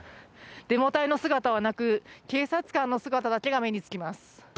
デモ隊の姿はなく警察官の姿だけが目につきます。